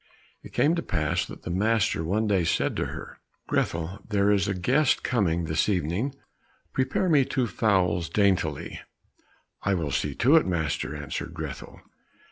It came to pass that the master one day said to her, "Grethel, there is a guest coming this evening; prepare me two fowls very daintily." "I will see to it, master," answered Grethel.